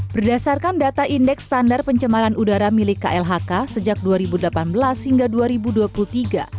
berdasarkan data indeks standar pencemaran udara milik klhk sejak dua ribu delapan belas hingga dua ribu dua puluh tiga